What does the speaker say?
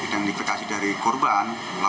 dan diberi kasih dari korban